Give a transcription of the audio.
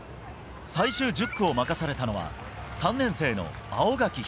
最終１０区を任されたのは、３年生の青柿響。